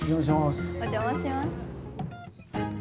お邪魔します。